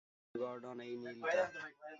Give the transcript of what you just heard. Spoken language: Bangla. সে হচ্ছে গর্ডন, এই নীলটা।